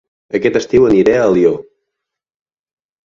Aquest estiu aniré a Alió